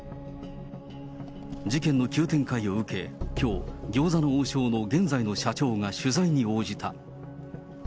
事件の急展開を受け、きょう、餃子の王将の現在の社長が取材に応じた。